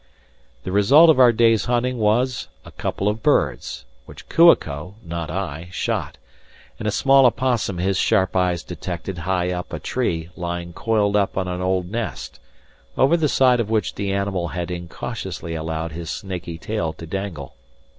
The result of our day's hunting was a couple of birds, which Kua ko, not I, shot, and a small opossum his sharp eyes detected high up a tree lying coiled up on an old nest, over the side of which the animal had incautiously allowed his snaky tail to dangle.